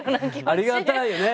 ありがたいよね。